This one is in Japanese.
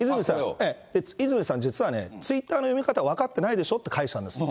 泉さん、実はね、ツイッターの読み方分かってないでしょって返したんです。